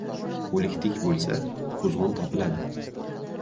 • O‘liktik bo‘lsa, quzg‘un topiladi.